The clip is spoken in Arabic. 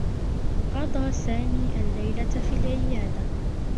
قضى سامي اللّيلة في العيادة.